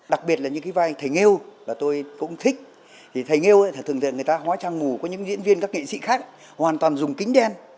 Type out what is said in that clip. đặc biệt là những cái vai thầy nghêu là tôi cũng thích thầy nghêu thường người ta hóa trang ngủ có những diễn viên các nghệ sĩ khác hoàn toàn dùng kính đen